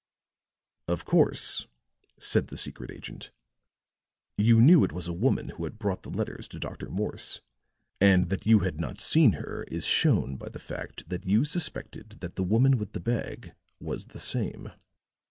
"Of course," said the secret agent. "You knew it was a woman who had brought the letters to Dr. Morse; and that you had not seen her is shown by the fact that you suspected that the woman with the bag was the same.